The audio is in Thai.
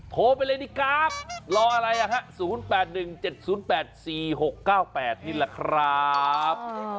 โทรไปเลยนี่ครับรออะไร๐๘๑๗๐๘๔๖๙๘นี่แหละครับ